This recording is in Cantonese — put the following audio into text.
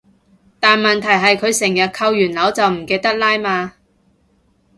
但問題係佢成日扣完鈕就唔記得拉嘛